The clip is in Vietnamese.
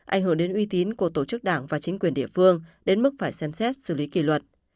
ảnh hưởng đến uy tín của tổ chức đảng và chính quyền địa phương đến mức phải xem xét xử lý kỷ luật